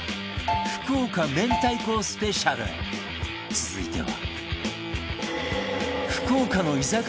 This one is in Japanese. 続いては